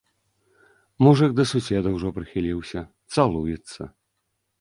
Мужык да суседа ўжо прыхіліўся, цалуецца.